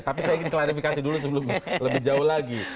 tapi saya ingin klarifikasi dulu sebelumnya lebih jauh lagi